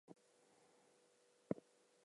I'm an echo.